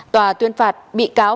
tòa tuyên phạt bị cáo